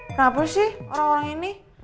kenapa sih orang orang ini